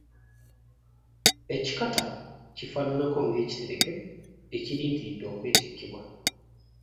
Ekikata kifaananako ng’ekitereke ekirindiridde okwetikkibwa.